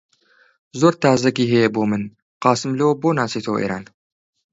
زۆر تازەگی هەیە بۆ من! قاسملوو بۆ ناچێتەوە ئێران؟